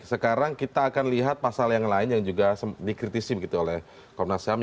sekarang kita akan lihat pasal yang lain yang juga dikritisi begitu oleh komnas ham